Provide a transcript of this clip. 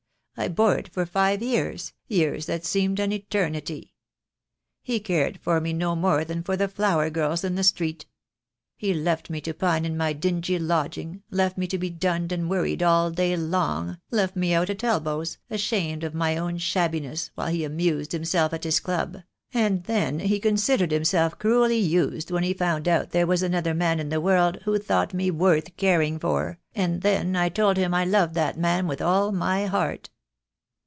'I bore it for five years, years that seemed an eternity. He cared for me no more than for the flower girls in the street. He left me to pine in my dingy lodging, left me to be dunned and worried all day long, left me out at elbows, ashamed of my own shabbi ness, while he amused himself at his club; and then he considered himself cruelly used when he found out there was another man in the world who thought me worth caring for, and when I told him I loved that man with all my heart.